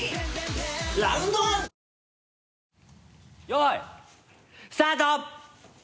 よいスタート！